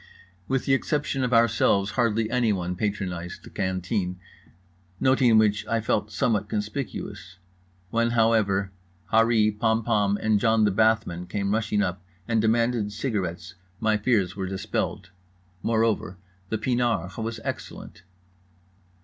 With the exception of ourselves hardly anyone patronized the canteen, noting which I felt somewhat conspicuous. When, however, Harree Pompom and John the Bathman came rushing up and demanded cigarettes my fears were dispelled. Moreover the pinard was excellent.